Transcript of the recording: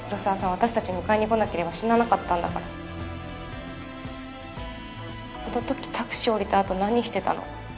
私達迎えに来なければ死ななかったんだからあの時タクシー降りたあと何してたの？